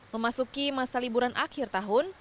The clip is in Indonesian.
memasuki masa liburan akhir tahun